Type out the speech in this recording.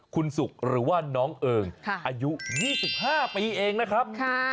คุณสุกหรือว่าน้องเอิงอายุ๒๕ปีเองนะครับ